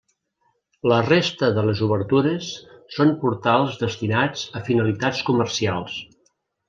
La resta de les obertures són portals destinats a finalitats comercials.